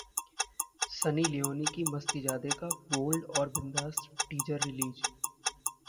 Sunny Leone की 'मस्तीजादे' का bold और बिंदास टीजर रिलीज